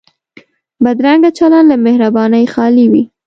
بدرنګه چلند له مهربانۍ خالي وي